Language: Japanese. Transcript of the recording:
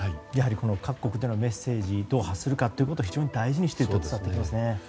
やはり各国でのメッセージをどう発するかというのを非常に大事にしているんですね。